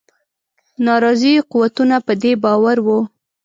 ناراضي قوتونه په دې باور وه.